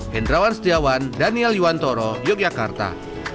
hendrawan setiawan daniel yuwantoro yogyakarta